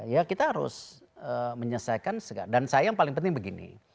ya kita harus menyelesaikan segala dan saya yang paling penting begini